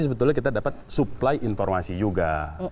sebetulnya kita mendapatkan suplai informasi juga